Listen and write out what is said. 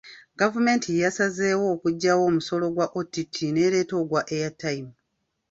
Gavumenti yasazeewo okuggyawo omusolo gwa OTT n’ereeta ogwa Airtime.